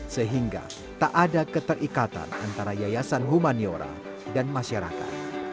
sehingga tak ada keterikatan antara yayasan humaniora dan masyarakat